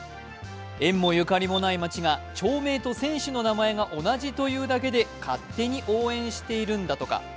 縁もゆかりもない町が町名と選手の名前が同じというだけで勝手に応援しているんだとか。